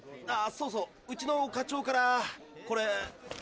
そうそううちの課長からこれ。